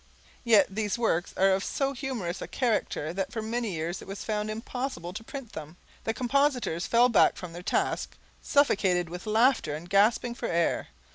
Yet these works are of so humorous a character that for many years it was found impossible to print them. The compositors fell back from their task suffocated with laughter and gasping for air.